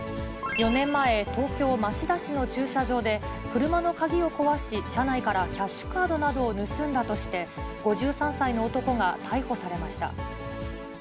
４年前、東京・町田市の駐車場で、車の鍵を壊し、車内からキャッシュカードなどを盗んだとして、５３歳の男が逮捕されました。